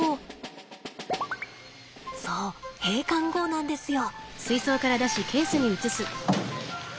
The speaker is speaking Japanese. そう閉館後なんですよ。